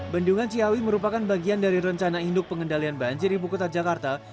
bendungan ciawi merupakan bagian dari rencana induk pengendalian banjir ibu kota jakarta